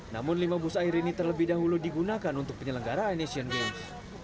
namun lima bus air ini terlebih dahulu digunakan untuk penyelenggaraan asian games